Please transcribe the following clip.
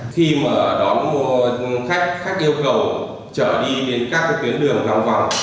khi mà đón khách khách yêu cầu trở đi đến các tuyến đường lòng vòng